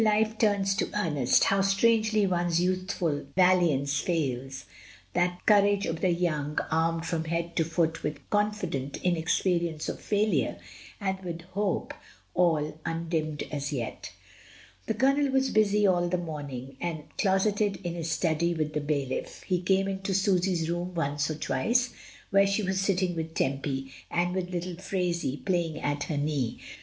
DYMOND. life turns to earnest, how strangely one's youthful valiance fails — that courage of the young, armed from head to foot with confident inexperience of failure and with hope all undimmed as yet. The Colonel was busy all the morning, and closeted in his study with the bailiff. He came into Susy's room once or twice, where she was sitting with Tempy, and with little Phraisie playing at her knee.